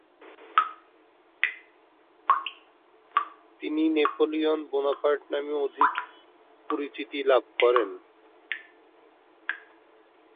তিনি Napoleon Bonaparte নামেই অধিক পরিচিতি লাভ করেন।